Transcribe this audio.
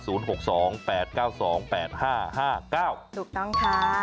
ถูกต้องค่ะ